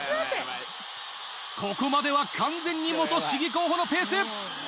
ここまでは完全に市議候補のペース。